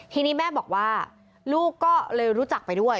ทีนี้แม่บอกว่าลูกก็เลยรู้จักไปด้วย